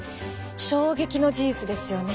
衝撃の事実ですよね。